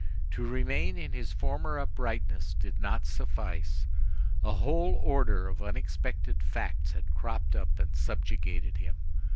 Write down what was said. To remain in his former uprightness did not suffice. A whole order of unexpected facts had cropped up and subjugated him.